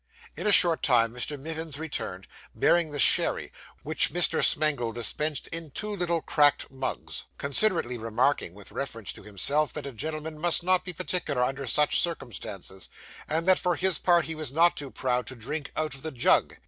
In a short time Mr. Mivins returned, bearing the sherry, which Mr. Smangle dispensed in two little cracked mugs; considerately remarking, with reference to himself, that a gentleman must not be particular under such circumstances, and that, for his part, he was not too proud to drink out of the jug.